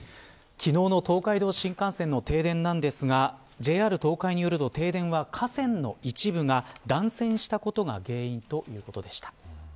昨日の東海道新幹線の停電なんですがＪＲ東海によると停電は、架線の一部が断線したことが原因ということでした。